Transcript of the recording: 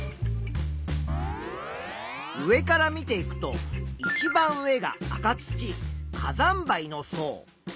上から見ていくといちばん上が赤土火山灰の層。